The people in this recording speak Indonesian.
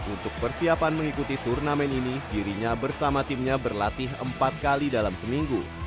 untuk persiapan mengikuti turnamen ini dirinya bersama timnya berlatih empat kali dalam seminggu